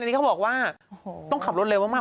อันนี้เขาบอกว่าต้องขับรถเร็วมาก